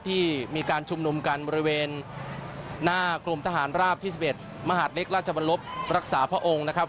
ที่มีการชุมนุมกันบริเวณหน้ากรมทหารราบที่๑๑มหาดเล็กราชบรรลบรักษาพระองค์นะครับ